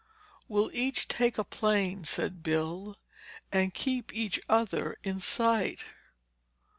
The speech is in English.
"We'll each take a plane," said Bill, "and keep each other in sight."